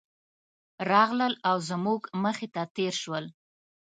راغلل او زموږ مخې ته تېر شول.